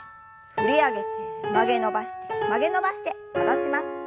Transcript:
振り上げて曲げ伸ばして曲げ伸ばして戻します。